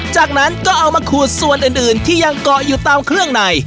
จากนั้นก็เอามาขูดส่วนอื่นที่ยังเกาะอยู่ตามเครื่องใน